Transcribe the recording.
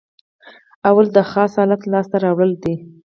لومړی د خاص حالت لاس ته راوړل دي.